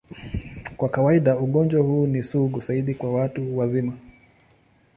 Kwa kawaida, ugonjwa huu ni sugu zaidi kwa watu wazima.